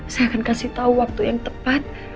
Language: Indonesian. saya akan kasih tahu waktu yang tepat